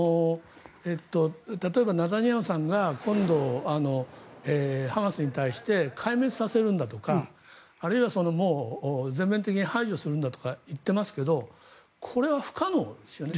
例えばネタニヤフさんが今度ハマスに対して壊滅させるんだとかあるいはもう全面的に排除するんだとか言ってますがこれは不可能ですよね。